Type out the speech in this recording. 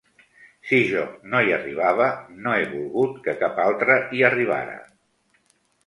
Si jo no hi arribava, no he volgut que cap altre hi arribara.